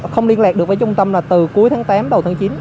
không liên lạc được với trung tâm là từ cuối tháng tám đầu tháng chín